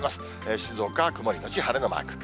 静岡は曇り後晴れのマーク。